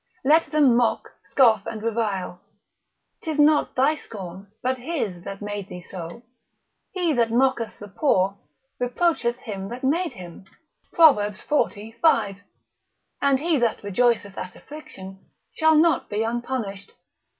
Let them mock, scoff and revile, 'tis not thy scorn, but his that made thee so; he that mocketh the poor, reproacheth him that made him, Prov. xi. 5. and he that rejoiceth at affliction, shall not be unpunished.